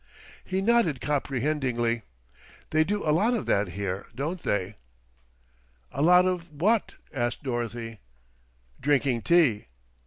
He nodded comprehendingly. "They do a lot of that here, don't they?" "A lot of what?" asked Dorothy. "Drinking tea."